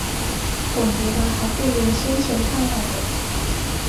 总觉得还不如先前看到的好